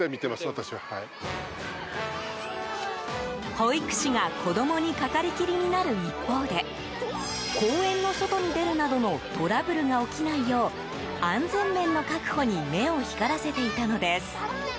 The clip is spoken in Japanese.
保育士が子供にかかりきりになる一方で公園の外に出るなどのトラブルが起きないよう安全面の確保に目を光らせていたのです。